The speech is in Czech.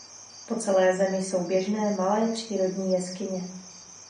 Po celé zemi jsou běžné malé přírodní jeskyně.